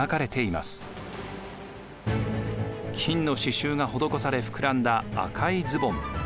金の刺しゅうが施され膨らんだ赤いズボン。